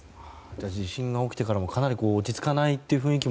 地震が起きてからもかなり落ち着かない雰囲気も